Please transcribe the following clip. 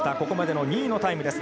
ここまでの２位のタイム。